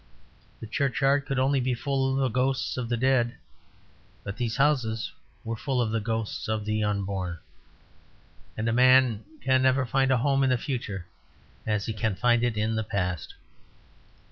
The churchyard could only be full of the ghosts of the dead; but these houses were full of the ghosts of the unborn. And a man can never find a home in the future as he can find it in the past.